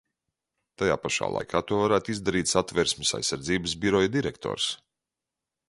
Tajā pašā laikā to varētu izdarīt Satversmes aizsardzības biroja direktors.